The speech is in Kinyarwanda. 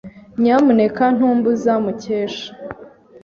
Nyamuneka ntumbuza, Mukesha.